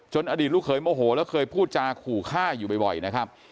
อดีตลูกเขยโมโหแล้วเคยพูดจาขู่ฆ่าอยู่บ่อยนะครับ